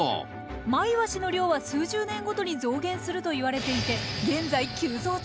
マイワシの量は数十年ごとに増減するといわれていて現在急増中。